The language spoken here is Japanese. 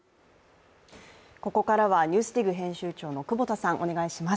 ここからは「ＮＥＷＳＤＩＧ」編集長の久保田さん、お願いします。